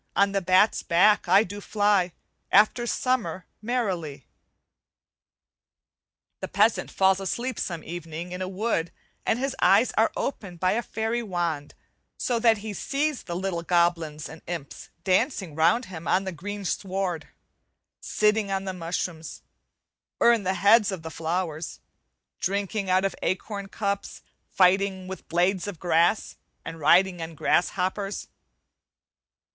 On the bat's back I do fly, After summer, merrily." The peasant falls asleep some evening in a wood and his eyes are opened by a fairy wand, so that he sees the little goblins and imps dancing around him on the green sward, sitting on mushrooms, or in the heads of the flowers, drinking out of acorn cups, fighting with blades of grass, and riding on grasshoppers.